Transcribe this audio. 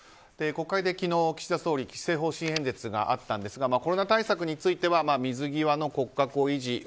国会で昨日、岸田総理施政方針演説があったんですがコロナ対策については水際の骨格を維持。